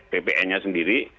ppn nya sendiri